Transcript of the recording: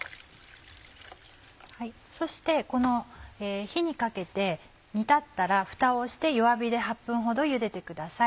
そしてこの火にかけて煮立ったらふたをして弱火で８分ほどゆでてください。